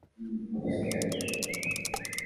Coda, সরো।